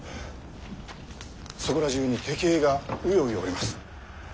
そこら中に敵兵がうようよおります。